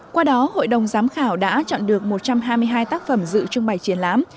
qua đó hội đồng giám khảo đã chọn được một trăm hai mươi hai tác phẩm dự trưng bày triển lãm